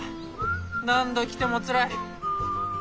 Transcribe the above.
何度来てもつらい。